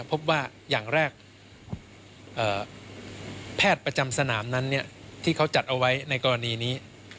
พบว่าอย่างแรกแพทย์ประจำสนามนั้นที่เขาจัดเอาไว้ในกรณีนี้